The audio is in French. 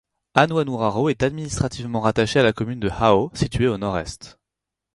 Anuanuraro est administrativement rattaché à la commune de Hao située à au nord-est.